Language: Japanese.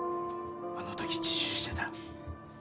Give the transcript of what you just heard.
あの時自首してたら